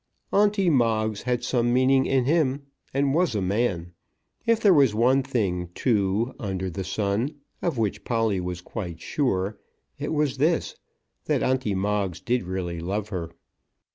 Onty Moggs had some meaning in him, and was a man. If there was one thing, too, under the sun of which Polly was quite sure, it was this, that Onty Moggs did really love her.